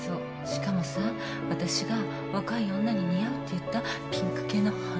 しかもさ私が若い女に似合うって言ったピンク系の花。